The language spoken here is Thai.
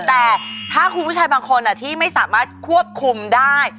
แต่ถ้าคุณผู้ชายบางคนที่ไม่สามารถควบคุมได้